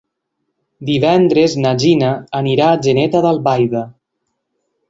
Divendres na Gina anirà a Atzeneta d'Albaida.